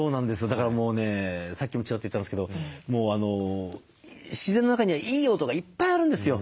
だからもうねさっきもチラッと言ったんですけど自然の中にはいい音がいっぱいあるんですよ。